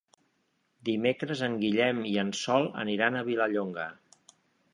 Dimecres en Guillem i en Sol aniran a Vilallonga.